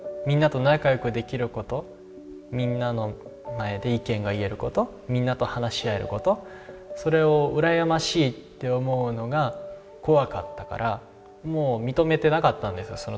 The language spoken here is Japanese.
みんなと仲よくできることみんなの前で意見が言えることみんなと話し合えることそれをうらやましいって思うのが怖かったからもう認めてなかったんですよ